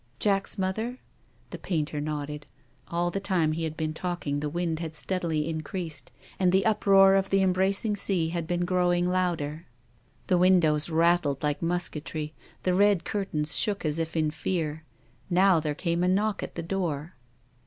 " Jack's mother ?" Thcpainter nodded. All the time he had been talking the wind had steadily increased, and the uproar of the embracing sea had been growing louder. The windows rattled like musketry, the red curtains shook as if in fear. Now there came a knock at the door.